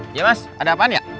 iya mas ada apaan ya